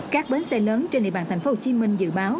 các bến xe lớn trên địa bàn thành phố hồ chí minh dự báo